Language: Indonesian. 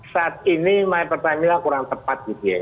saat ini my pertamina kurang tepat gitu ya